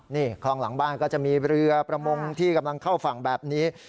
นี่คลองหลังบ้านก็จะมีเรือประมงที่กำลังเข้าฝั่งแบบนี้